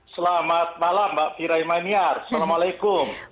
selamat malam mbak firaimaniar assalamualaikum